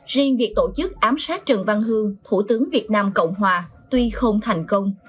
riêng việc tổ chức ám sát trần văn hương thủ tướng việt nam cộng hòa tuy không thành công